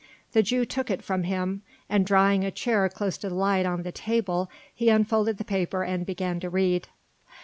The Jew took it from him and drawing a chair close to the light on the table he unfolded the paper and began to read.